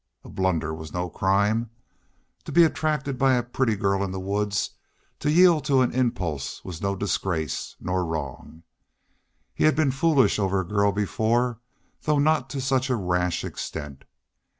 A blunder was no crime. To be attracted by a pretty girl in the woods to yield to an impulse was no disgrace, nor wrong. He had been foolish over a girl before, though not to such a rash extent.